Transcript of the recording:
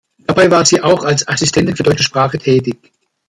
Dabei war sie auch als Assistentin für deutsche Sprache tätig.